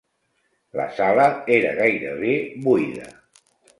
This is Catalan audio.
La sala era gairebé buida.